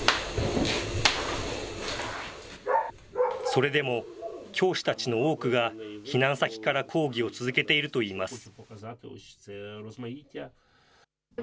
それでも教師たちの多くが、避難先から講義を続けているといいます。